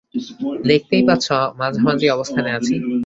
দেখতেই পাচ্ছ মাঝামাঝি অবস্থানে আছি।